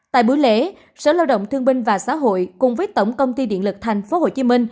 tại buổi lễ sở lao động thương binh và xã hội cùng với tổng công ty điện lực tp hcm